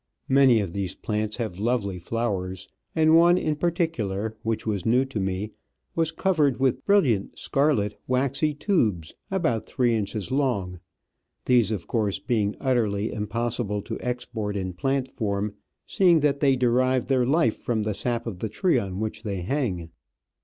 Many of these plants hav6 lovely flowers, and one in particular, which was new to rhe, was covered with brilliant scarlet, waxy tubes about three inches long — these, of course, being utterly im^ possible to export in plant form, seeing that they derive their life from the sap of the tree on which they hang.